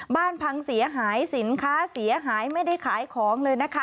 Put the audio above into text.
บ้านพังเสียหายสินค้าเสียหายไม่ได้ขายของเลยนะคะ